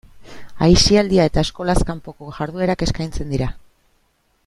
Aisialdia eta eskolaz kanpoko jarduerak eskaintzen dira.